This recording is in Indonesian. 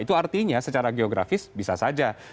itu artinya secara geografis bisa saja